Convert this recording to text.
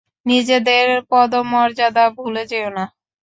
নিজের পদমর্যাদা ভুলে যেও না।